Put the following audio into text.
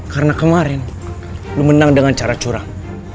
karena kemarin lo menang dengan cara curang